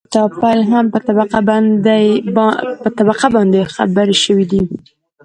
د کتاب پيل کې هم په طبقه باندې خبرې شوي دي